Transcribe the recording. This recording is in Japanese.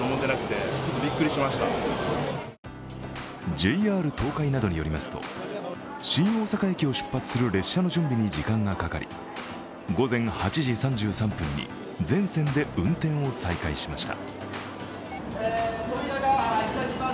ＪＲ東海などによりますと新大阪駅を出発する列車の準備に時間がかかり午前８時３３分に全線で運転を再開しました。